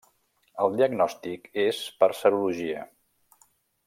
El diagnòstic és per serologia.